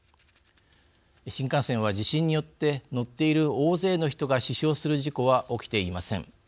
新幹線は地震によって乗っている大勢の人が死傷する事故は起きていません。